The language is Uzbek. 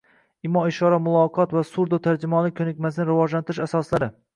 Imo-ishora muloqoti va surdo-tarjimonlik ko‘nikmasini rivojlantirish asoslari ng